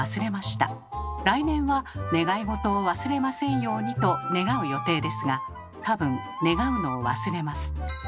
来年は願い事を忘れませんようにと願う予定ですが多分願うのを忘れます。